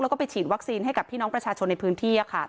แล้วก็ไปฉีดวัคซีนให้กับพี่น้องประชาชนในพื้นที่